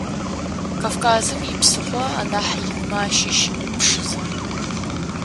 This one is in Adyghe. Кавказым ипсыхъо анахь инмэ ащыщ Пшызэ.